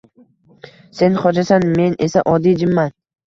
Sen xojasan. Men esa oddiy jinman.